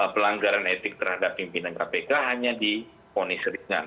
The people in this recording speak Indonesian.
pelanggaran etik terhadap pimpinan kpk hanya di poni seringan